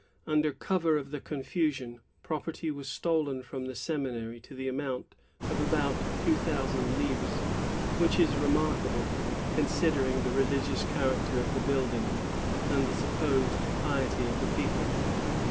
Under cover of the con fusion, property was stolen from the seminary to the amount of about two thousand livres, — which is remarkable, considering the religious character of the building, and the supposed piety of the people.